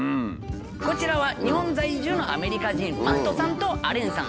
こちらは日本在住のアメリカ人マットさんとアレンさん。